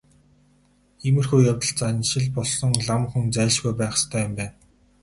Иймэрхүү явдалд заншил болсон лам хүн зайлшгүй байх ёстой юм байна.